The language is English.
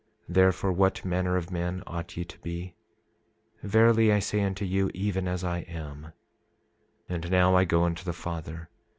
Therefore, what manner of men ought ye to be? Verily I say unto you, even as I am. 27:28 And now I go unto the Father.